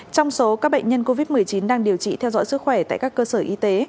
trong số các bệnh nhân covid một mươi chín đang điều trị theo dõi sức khỏe tại các cơ sở y tế